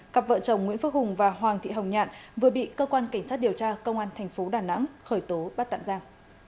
cặp vợ chồng nguyễn phước hùng và hoàng thị hồng nhạn vừa bị cơ quan cảnh sát điều tra công an thành phố đà nẵng khởi tố bắt tạm giam